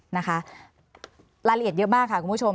ราลเย็นเยอะมากค่ะคุณผู้ชม